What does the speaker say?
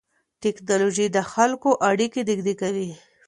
ټیکنالوژي د خلکو اړیکې نږدې کوي.